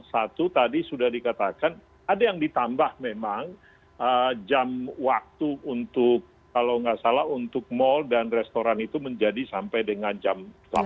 satu tadi sudah dikatakan ada yang ditambah memang jam waktu untuk kalau nggak salah untuk mal dan restoran itu menjadi sampai dengan jam delapan